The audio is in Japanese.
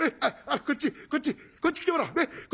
こっちこっちこっち来てもらおうねっ。